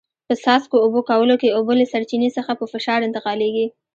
په څاڅکو اوبه کولو کې اوبه له سرچینې څخه په فشار انتقالېږي.